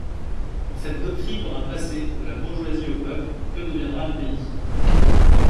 Quand cette doctrine aura passé de la bourgeoisie au peuple, que deviendra le pays?